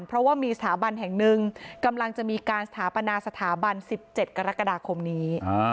เพราะว่ามีสถาบันแห่งหนึ่งกำลังจะมีการสถาปนาสถาบัน๑๗กรกฎาคมนี้